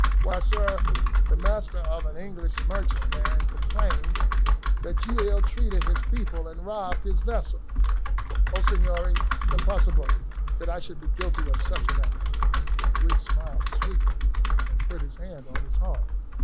"Why, sir, the master of an English merchantman complains that you ill treated his people and robbed his vessel." "O Signori, impossibile; that I should be guilty of such an act!" and the Greek smiled sweetly and put his hand on his heart.